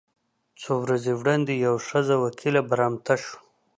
څو ورځې وړاندې یوه ښځه وکیله برمته شوه.